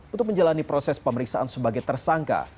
untuk menjalani proses pemeriksaan sebagai tersangka